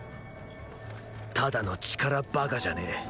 ただの力馬鹿じゃねぇ。